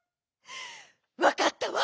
わかったわ。